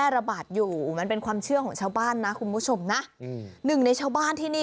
ระบาดอยู่มันเป็นความเชื่อของชาวบ้านนะคุณผู้ชมนะอืมหนึ่งในชาวบ้านที่นี่